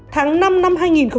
tháng năm năm hai nghìn hai mươi